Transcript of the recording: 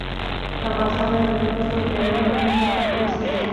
افغانستان بايد نور د مينو څخه خوندي سي